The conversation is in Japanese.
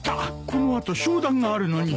この後商談があるのに。